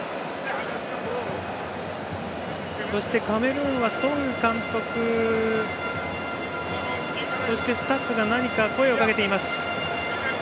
そしてカメルーンはソング監督そしてスタッフが何か声をかけています。